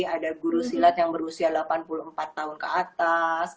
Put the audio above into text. ada guru silat yang berusia delapan puluh empat tahun ke atas